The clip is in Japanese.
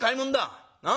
なあ。